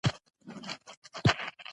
د حفیظ الله احمدی پورې تړي .